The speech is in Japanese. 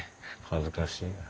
恥ずかしいや。